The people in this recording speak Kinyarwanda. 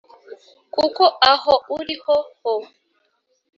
Kuko aho ari ho ho